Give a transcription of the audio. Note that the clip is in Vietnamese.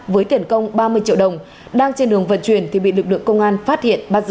với tiền công ba mươi triệu đồng đang trên đường vận chuyển thì bị lực lượng công an phát hiện bắt giữ